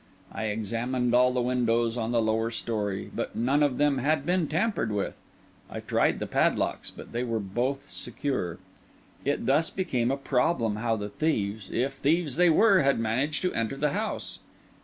I examined all the windows on the lower storey, but none of them had been tampered with; I tried the padlocks, but they were both secure. It thus became a problem how the thieves, if thieves they were, had managed to enter the house.